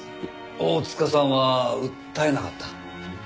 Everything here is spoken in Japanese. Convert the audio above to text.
大塚さんは訴えなかった？